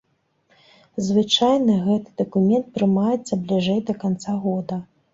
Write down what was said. Звычайна гэты дакумент прымаецца бліжэй да канца года.